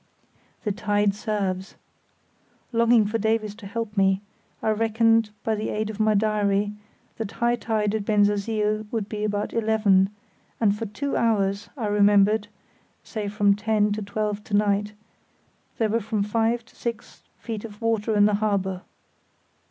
"The tide serves!" Longing for Davies to help me, I reckoned, by the aid of my diary, that high tide at Bensersiel would be about eleven, and for two hours, I remembered (say from ten to twelve to night), there were from five to six feet of water in the harbour.